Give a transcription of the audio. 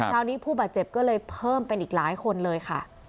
ผู้บาดเจ็บก็เลยเพิ่มเป็นอีกหลายคนเลยค่ะ